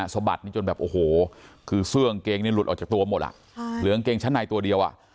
สะบัดนี่จนแบบโอ้โหคือเสื้อกางเกงนี่หลุดออกจากตัวหมดอ่ะเหลืองเกงชั้นในตัวเดียวอ่ะ